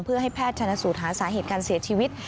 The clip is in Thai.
เพื่อให้แพทย์ชนสูตรหาสาเหตุการเสียชีวิต